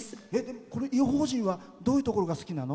この「異邦人」はどういうところが好きなの？